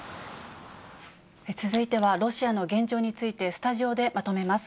続いてはロシアの現状について、スタジオでまとめます。